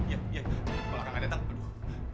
ya malah tidak datang